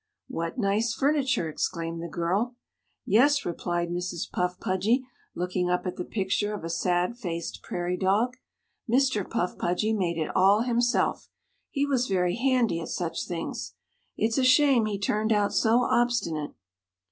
"What nice furniture," exclaimed the girl. "Yes," replied Mrs. Puff Pudgy, looking up at the picture of a sad faced prairie dog; "Mr. Puff Pudgy made it all himself. He was very handy at such things. It's a shame he turned out so obstinate."